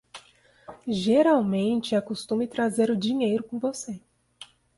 Geralmente é costume trazer o dinheiro com você.